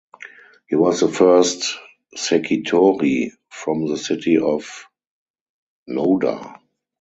He was the first "sekitori" from the city of Noda.